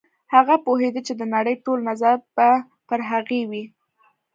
هغه پوهېده چې د نړۍ ټول نظر به پر هغې وي.